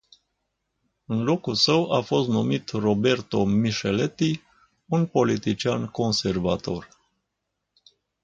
În locul său a fost numit Roberto Michelletti, un politician conservator.